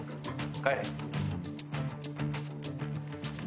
帰れ。